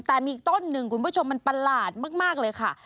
แต่มีอีกต้นหนึ่งคุณผู้ชมมันประหลาดมากเลยค่ะ